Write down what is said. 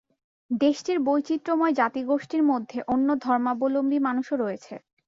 দেশটির বৈচিত্র্যময় জাতিগোষ্ঠীর মধ্যে অন্য ধর্মাবলম্বী মানুষও রয়েছে।